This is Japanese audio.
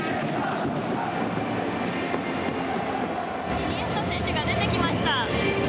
イニエスタ選手が出てきました。